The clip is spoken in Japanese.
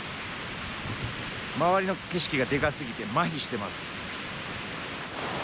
周りの景色がでかすぎてまひしてます。